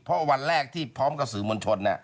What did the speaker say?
เพราะวันแรกที่พร้อมกับสื่อมวลชน